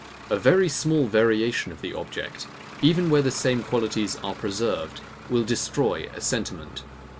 A very small variation of the object, even where the same qualities are preserved, will destroy a sentiment.